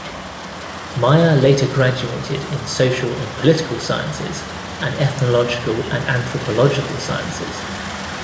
Maia later graduated in Social and Political Sciences and Ethnological and Anthropological Sciences.